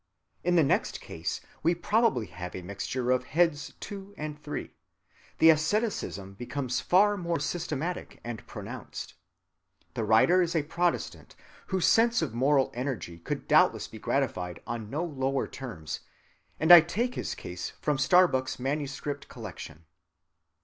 In the next case we probably have a mixture of heads 2 and 3—the asceticism becomes far more systematic and pronounced. The writer is a Protestant, whose sense of moral energy could doubtless be gratified on no lower terms, and I take his case from Starbuck's manuscript collection.